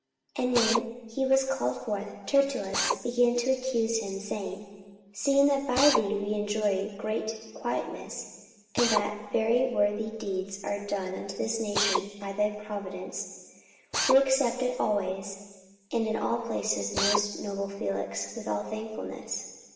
44:024:002 And when he was called forth, Tertullus began to accuse him, saying, Seeing that by thee we enjoy great quietness, and that very worthy deeds are done unto this nation by thy providence, 44:024:003 We accept it always, and in all places, most noble Felix, with all thankfulness.